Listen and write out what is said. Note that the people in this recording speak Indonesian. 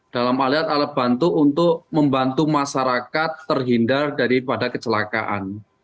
dalam alat bantu untuk membantu masyarakat terhindar daripada kecelakaan